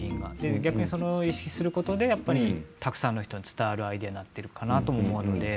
逆に意識することによってたくさんの人に伝わるアイデアになっているかなと思うので。